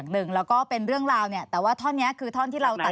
แต่ว่าท่อนี้คือท่อนที่เราตัดมา